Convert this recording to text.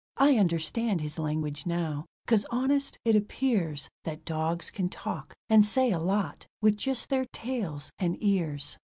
I understand his language now, 'cause honest, it appears That dogs can talk, and say a lot, with just their tails and ears.